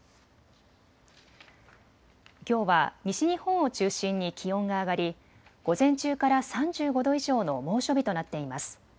きょうは西日本を中心に気温が上がり午前中から３５度以上の猛暑日となっています。